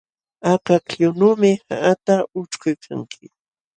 Akakllunuumi qaqata ućhkuykanki.